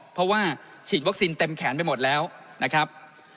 เพราะว่าฉีดวัคซีนเต็มแขนไปหมดแล้วนะครับ